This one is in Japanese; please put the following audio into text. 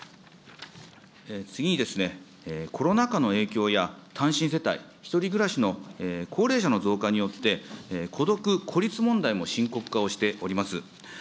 次にですね、コロナ禍の影響や単身世帯、１人暮らしの高齢者の増加によって、孤独・孤立問題も深刻化をしております。